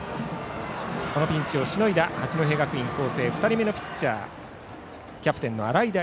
このピンチをしのいだ八戸学院光星２人目のピッチャーキャプテンの洗平